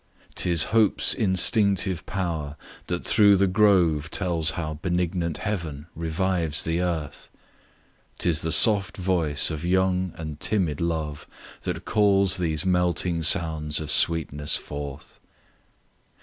'Tis Hope's instinctive power that through the grove Tells how benignant Heaven revives the earth; 'Tis the soft voice of young and timid love That calls these melting sounds of sweetness forth.